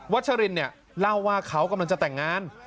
ชัชรินเนี่ยเล่าว่าเขากำลังจะแต่งงาน